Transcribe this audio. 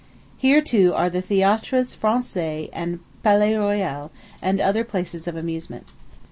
Here, too, are the Theatres Français and Palais Royal, and other places of amusement.